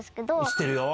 知ってるよ。